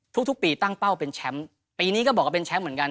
ทุกปีตั้งเป้าเป็นแชมป์ปีนี้ก็บอกว่าเป็นแชมป์เหมือนกัน